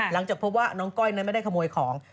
หลังจากพบว่าน้องก้อยนั้นไม่ได้ขโมยของ